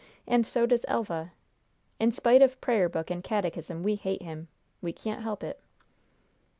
And so does Elva. In spite of prayer book and catechism, we hate him. We can't help it."